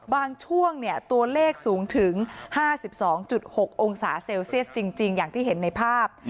ช่วงตัวเลขสูงถึง๕๒๖องศาเซลเซียสจริงอย่างที่เห็นในภาพ